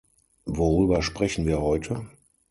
Worüber sprechen wir heute?